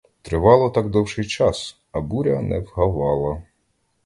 Тривало так довший час, а буря не вгавала.